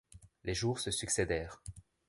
Les jours se succédèrent.